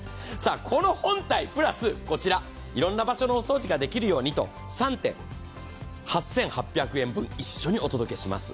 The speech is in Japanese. この本体プラスこちら、いろんな場所のお掃除ができるようにと８８００円分、一緒にお届けします